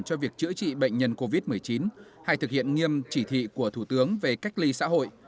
cho việc chữa trị bệnh nhân covid một mươi chín hay thực hiện nghiêm chỉ thị của thủ tướng về cách ly xã hội